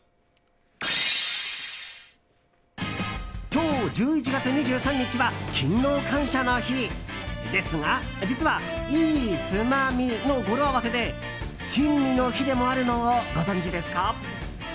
今日１１月２３日は勤労感謝の日ですが実は、いいつまみの語呂合わせで珍味の日でもあるのをご存じですか？